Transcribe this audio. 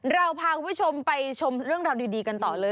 เราพาคุณผู้ชมไปชมเรื่องราวดีกันต่อเลย